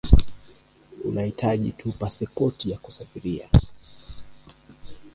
Unahitaji tu pasipoti ya kusafiria